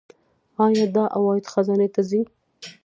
آیا دا عواید خزانې ته ځي؟